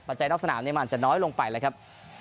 ปัจจัยนอกสนามมันอาจจะน้อยลงไปเลยครับ